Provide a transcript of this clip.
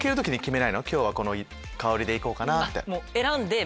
今日はこの香りでいこうかなって。